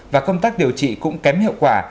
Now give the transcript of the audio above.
và công tác điều trị cũng kém hiệu quả